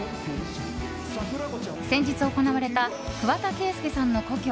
先日行われた桑田佳祐さんの故郷